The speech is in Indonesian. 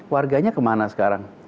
warganya kemana sekarang